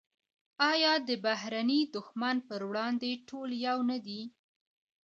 آیا د بهرني دښمن پر وړاندې ټول یو نه دي؟